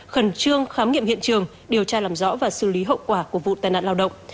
khẩn trương khám nghiệm hiện trường điều tra làm rõ và xử lý hậu quả của vụ tai nạn lao động